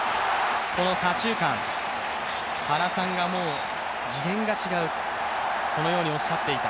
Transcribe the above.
この左中間、原さんが次元が違う、そのようにおっしゃっていた。